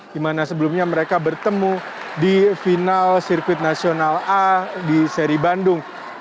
di mana sebelumnya mereka bertemu di final sirkuit nasional a di seri bandung